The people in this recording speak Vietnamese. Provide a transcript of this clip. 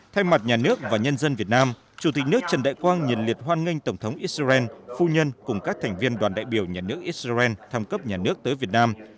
thay mặt nhà nước và nhân dân việt nam chủ tịch nước trần đại quang nhiệt liệt hoan nghênh tổng thống israel phu nhân cùng các thành viên đoàn đại biểu nhà nước israel thăm cấp nhà nước tới việt nam